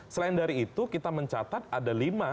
selain dari itu kita mencatat ada lima